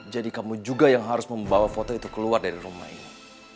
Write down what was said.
jadi kamu juga yang harus membawa foto itu keluar dari rumah ini